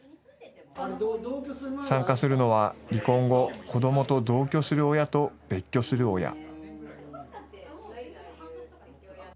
参加するのは離婚後、子どもと同居する親と別居する親。